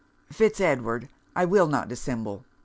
'Fitz Edward, I will not dissemble!